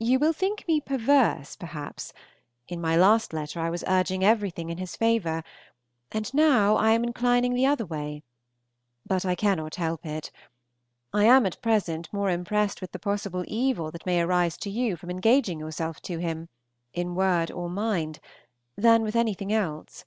You will think me perverse, perhaps; in my last letter I was urging everything in his favor, and now I am inclining the other way, but I cannot help it; I am at present more impressed with the possible evil that may arise to you from engaging yourself to him in word or mind than with anything else.